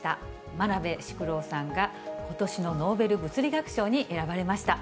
真鍋淑郎さんがことしのノーベル物理学賞に選ばれました。